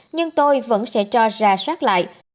nhưng tôi vẫn sẽ cho ra soát lại